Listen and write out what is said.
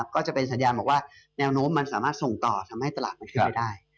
ก็จะเป็นสัญญาณบอกว่าแนวโน้มมันสามารถส่งต่อทำให้ตลาดมันขึ้นไปได้